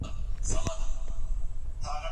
دا پیغام د عمل غوښتنه کوي